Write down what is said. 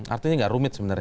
artinya tidak rumit sebenarnya